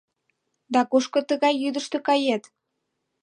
— Да кушко тый тыгай йӱдыштӧ кает?..